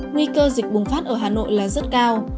nguy cơ dịch bùng phát ở hà nội là rất cao